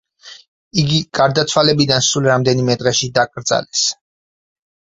იგი გარდაცვალებიდან სულ რამდენიმე დღეში დაკრძალეს.